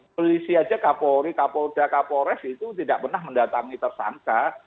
polisi saja kapolri kapolda kapolres itu tidak pernah mendatangi tersangka